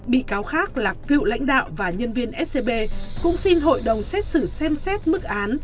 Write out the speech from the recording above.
bị cáo khác là cựu lãnh đạo và nhân viên scb cũng xin hội đồng xét xử xem xét mức án